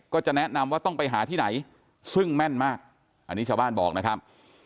จะแนะนำว่าต้องไปหาที่ไหนซึ่งแม่นมากอันนี้ชาวบ้านบอกนะครับ